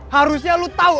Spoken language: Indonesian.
harusnya lo tahu